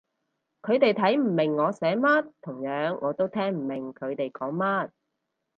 佢哋睇唔明我寫乜，同樣我都聽唔明佢哋講乜